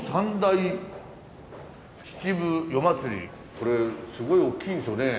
これすごい大きいんですよね。